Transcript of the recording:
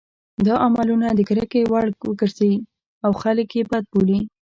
دا عملونه د کرکې وړ وګرځي او خلک یې بد بولي.